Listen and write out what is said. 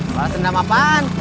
balas dendam apaan